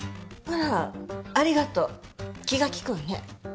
あらありがとう気が利くわね